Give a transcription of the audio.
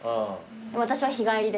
私は日帰りでした。